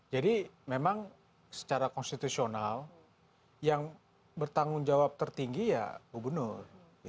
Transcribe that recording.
jadi memang secara konstitusional yang bertanggung jawab tertinggi ya gubernur